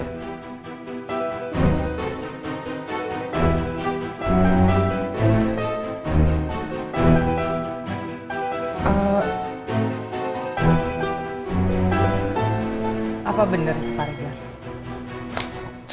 wah jatuhnya k crash